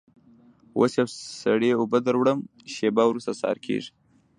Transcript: اوس یو څه سړې اوبه در وړم، شېبه وروسته سهار کېږي.